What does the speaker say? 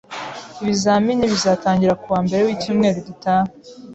Ibizamini bizatangira ku wa mbere wicyumweru gitaha.